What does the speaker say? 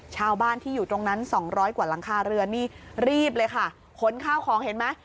ชาวบ้านที่อยู่ตรงนั้นสองร้อยกว่าหลังคาเรือนนี่รีบเลยค่ะขนข้าวของเห็นไหม